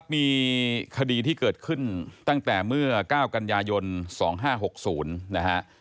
มีคดีที่เกิดขึ้นตั้งแต่เมื่อ๙กันยายน๒๕๖๐นะฮะ